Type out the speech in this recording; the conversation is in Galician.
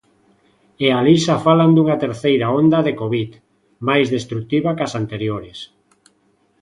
E alí xa falan dunha terceira onda de Covid, máis destrutiva que as anteriores.